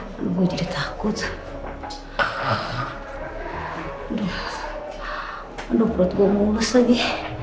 hai bujur takut aduh aduh perut gua mulus lagi